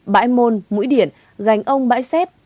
bãi môn mũi điển gành ông bãi xép